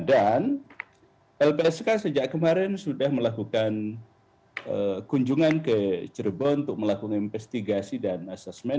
dan lpsk sejak kemarin sudah melakukan kunjungan ke cirebon untuk melakukan investigasi dan asesmen